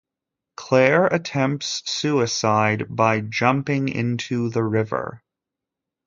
Clare attempts suicide by jumping into the river.